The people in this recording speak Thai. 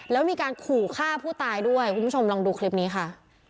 แล้วมีการขู่ฆ่าผู้ตายด้วยคุณผู้ชมลองดูคลิปนี้ค่ะ